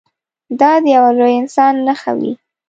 دا د یوه لوی انسان نښه وي.